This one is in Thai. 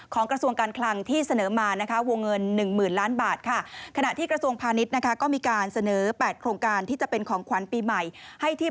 ของกระทรวงการคลังที่เสนอมาวงเงิน๑๐๐๐๐๐๐๐บาท